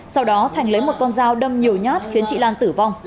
sau đó thành lấy một con dao đâm nhiều nhát khiến chị lan tử vong